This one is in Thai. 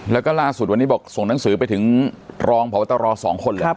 แล้วก็ล่าสุดวันนี้บอกส่งหนังสือไปถึงรองพบตร๒คนเลย